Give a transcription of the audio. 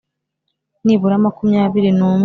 nibura makumyabiri n umwe